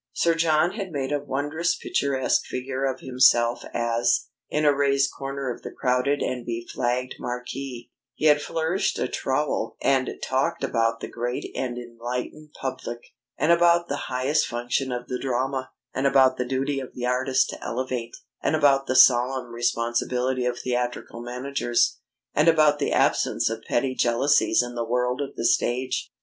Sir John had made a wondrous picturesque figure of himself as, in a raised corner of the crowded and beflagged marquee, he had flourished a trowel and talked about the great and enlightened public, and about the highest function of the drama, and about the duty of the artist to elevate, and about the solemn responsibility of theatrical managers, and about the absence of petty jealousies in the world of the stage.